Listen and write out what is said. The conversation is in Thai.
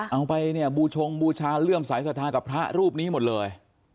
เอาไปเนี่ยบูชงบูชาเลื่อมสายศรัทธากับพระรูปนี้หมดเลย